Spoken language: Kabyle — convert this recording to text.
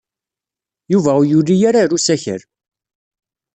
Yuba ur yuli ara ɣer usakal.